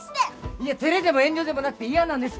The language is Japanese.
「いや照れでも遠慮でもなくて嫌なんです！